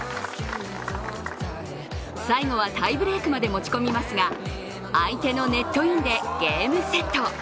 最後はタイブレークまで持ち込みますが相手のネットインでゲームセット。